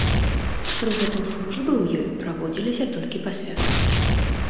Пры гэтым службы ў ёй праводзіліся толькі па святах.